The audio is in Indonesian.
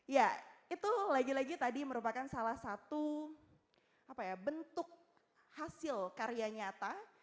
ya itu lagi lagi tadi merupakan salah satu bentuk hasil karya nyata